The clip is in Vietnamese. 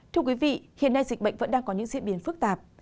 thưa quý vị hiện nay dịch bệnh vẫn đang có những diễn biến phức tạp